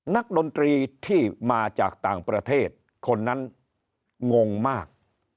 ดนตรีที่มาจากต่างประเทศคนนั้นงงมาก